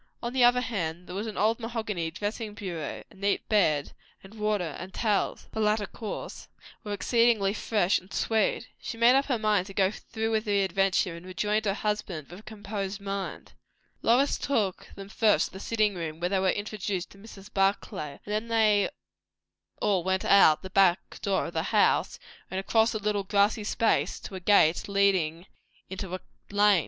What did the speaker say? On the other hand, there was an old mahogany dressing bureau; a neat bed; and water and towels (the latter coarse) were exceedingly fresh and sweet. She made up her mind to go through with the adventure, and rejoined her husband with a composed mind. Lois took them first to the sitting room, where they were introduced to Mrs. Barclay, and then they all went out at the back door of the house, and across a little grassy space, to a gate leading into a lane.